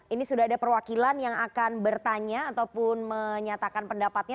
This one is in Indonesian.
ini sudah ada perwakilan yang akan bertanya ataupun menyatakan pendapatnya